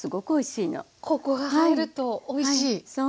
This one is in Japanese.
ここが入るとおいしいですか？